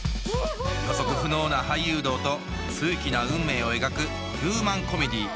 予測不能な俳優道と数奇な運命を描くヒューマンコメディー